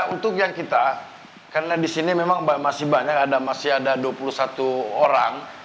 untuk yang kita karena di sini memang masih banyak masih ada dua puluh satu orang